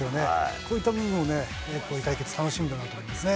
こういった部分もね、対決楽しみだなと思いますね。